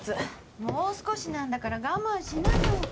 もう少しなんだから我慢しなよ。